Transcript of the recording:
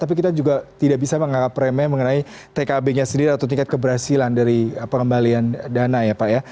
tapi kita juga tidak bisa menganggap remeh mengenai tkb nya sendiri atau tingkat keberhasilan dari pengembalian dana ya pak ya